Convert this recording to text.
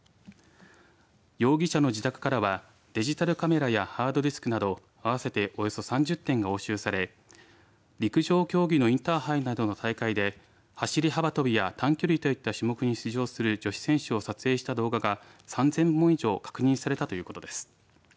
容疑者の自宅からはデジタルカメラやハードディスクなど合わせておよそ３０点が押収され陸上競技のインターハイなどの大会で、走り幅跳びや短距離といった種目に出場する女子選手を撮影した動画が３０００本以上確認されたということです。